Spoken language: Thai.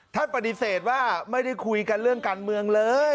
ท่านปฏิเสธว่าไม่ได้คุยกันเรื่องการเมืองเลย